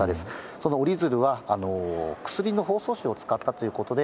その折り鶴は薬の包装紙を使ったということで、